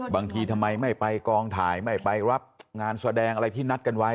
บางทีทำไมไม่ไปกองถ่ายไม่ไปรับงานแสดงอะไรที่นัดกันไว้